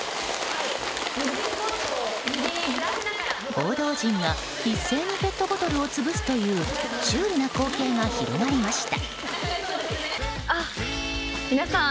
報道陣が一斉にペットボトルを潰すというシュールな光景が広がりました。